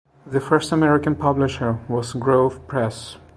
The first American publisher was Grove Press.